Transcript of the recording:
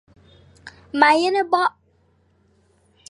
Ma yen bo ;